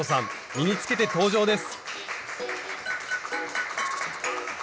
身につけて登場です。